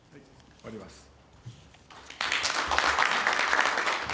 終わります。